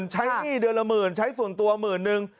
หนี้เดือนละหมื่นใช้ส่วนตัวหมื่นนึง